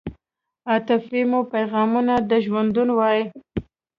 عاطفې مو پیغامونه د ژوندون وای